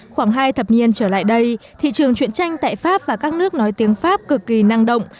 khoảng hai thập niên trở lại đây thị trường chuyện tranh tại pháp và các nước nói tiếng pháp cực kỳ năng động